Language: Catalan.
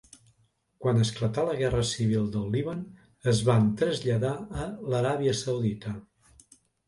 Quan esclatà la guerra civil del Líban es van traslladar a l'Aràbia Saudita.